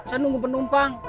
saya nunggu penumpang